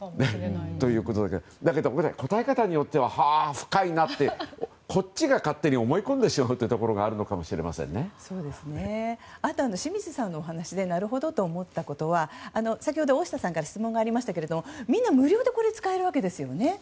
だけど答え方によってははあ、深いなってこっちが勝手に思い込んでしまうというところがあとは清水さんのお話でなるほどと思ったことは先ほど大下さんから質問がありましたがみんな無料でこれを使えるわけですね。